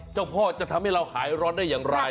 เจ้าพ่อจะทำให้เราหายร้อนได้อย่างไร